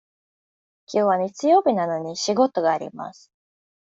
きょうは日曜日なのに仕事があります。